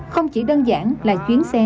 không chỉ đơn giản là chuyến xe